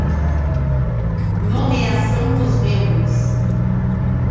Nomeação dos membros.